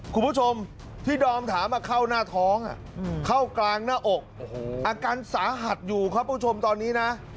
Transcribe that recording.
คุณผู้ชมที่ดอมถามเข้าหน้าท้องเข้ากลางหน้าอกอาการสาหัสอยู่ครับผู้ชมตอนนี้นะ